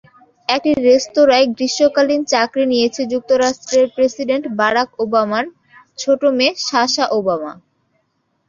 একটি রেস্তোরাঁয় গ্রীষ্মকালীন চাকরি নিয়েছে যুক্তরাষ্ট্রের প্রেসিডেন্ট বারাক ওবামার ছোট মেয়ে সাশা ওবামা।